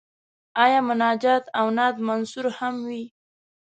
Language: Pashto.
آیا مناجات او نعت منثور هم وي.